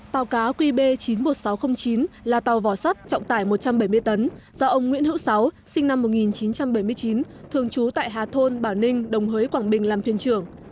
tàu cá qb chín mươi một nghìn sáu trăm linh chín là tàu vỏ sắt trọng tải một trăm bảy mươi tấn do ông nguyễn hữu sáu sinh năm một nghìn chín trăm bảy mươi chín thường trú tại hà thôn bảo ninh đồng hới quảng bình làm thuyền trưởng